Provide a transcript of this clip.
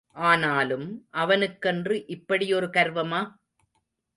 ஆனாலும், அவனுக்கென்று இப்படி ஒரு கர்வமா?